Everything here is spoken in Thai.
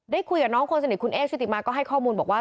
คุยกับน้องคนสนิทคุณเอ๊ชุติมาก็ให้ข้อมูลบอกว่า